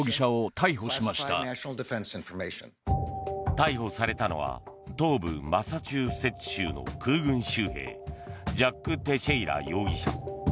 逮捕されたのは東部マサチューセッツ州の空軍州兵ジャック・テシェイラ容疑者。